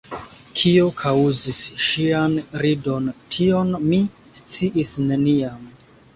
Kio kaŭzis ŝian ridon, tion mi sciis neniam.